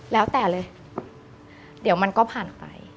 แล้วแต่เลยเดี๋ยวมันก็ผ่านไป